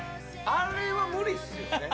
あれは無理っすよね。